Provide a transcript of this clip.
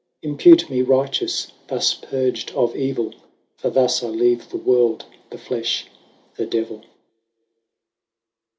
Impute me righteous, thus purg'd of evill, For thus I leave the world, the flefh, the devill.